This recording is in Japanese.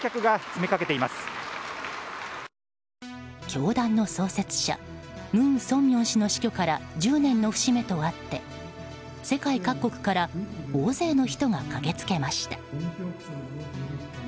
教団の創設者文鮮明氏の死去から１０年の節目とあって世界各国から大勢の人が駆けつけました。